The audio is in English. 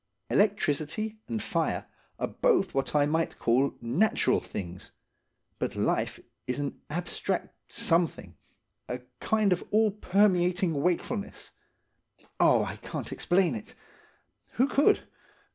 Electricity and fire are both what I might call natural things, but life is an abstract something–a kind of all permeating wakefulness. Oh, I can't explain it! Who could?